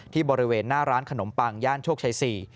บริเวณหน้าร้านขนมปังย่านโชคชัย๔